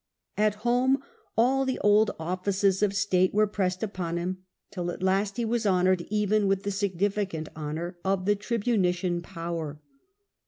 At home all the old offices of state were pressed upon him, till at last he was hon o{ state, oured even with the significant honour of the tribunician power.